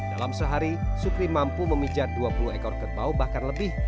dalam sehari sukri mampu memijat dua puluh ekor kerbau bahkan lebih